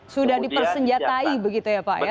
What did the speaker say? sudah dipersenjatai begitu ya pak ya